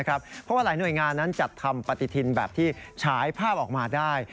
เพราะว่าหลายหน่วยงานนั้นจัดทำปฏิทินแบบที่ฉายภาพออกมาได้